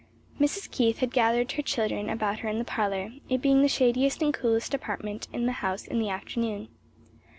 Mrs. Keith had gathered her children about her in the parlor, it being the shadiest and coolest apartment in the house in the afternoon.